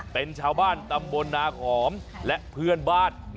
เป็นชาวบ้านตำบลนาขอมและเพื่อนบ้าน